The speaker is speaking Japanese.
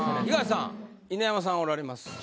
東さん犬山さんおられます。